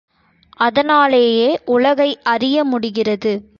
அதனாலேயே உலகை அறிய முடிகிறது.